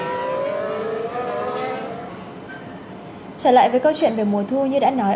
trở lại với câu chuyện về mùa thu như đã nói